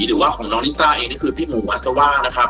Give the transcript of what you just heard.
หรือว่าของน้องลิซ่าเองนี่คือพี่หมูอาซาว่านะครับ